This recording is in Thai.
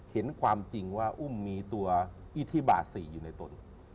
เห็นความจริงว่าอุ้มมีตัวอิทธิบาท๔อยู่ในตน